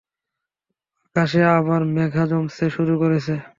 আকাশে আবার মেঘা জমতে শুরু করেছে।